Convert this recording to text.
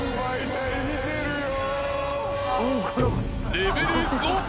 ［レベル５］